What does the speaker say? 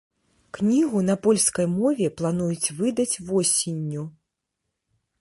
Кнігу на польскай мове плануюць выдаць восенню.